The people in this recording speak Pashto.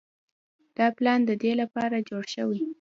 دا پلان د دې لپاره جوړ شوی